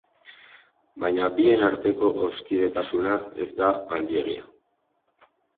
Baina bien arteko hoskidetasuna ez da handiegia.